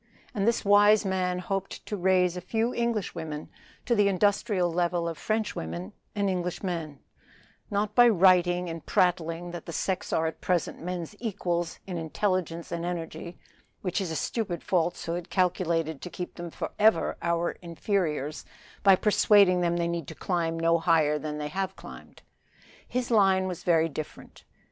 And this wise man hoped to raise a few Englishwomen to the industrial level of Frenchwomen and Englishmen; not by writing and prattling that the sex are at present men's equals in intelligence and energy, which is a stupid falsehood calculated to keep them forever our inferiors by persuading them they need climb no higher than they have climbed. His line was very different.